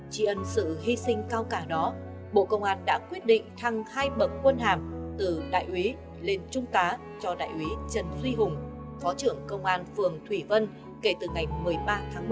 tri ân sự hy sinh cao cả đó bộ công an đã quyết định thăng hai bậc quân hàm từ đại úy lên trung tá cho đại úy trần duy hùng phó trưởng công an phường thủy vân kể từ ngày một mươi ba tháng một